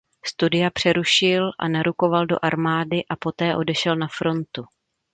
Studia přerušil a narukoval do armády a poté odešel na frontu.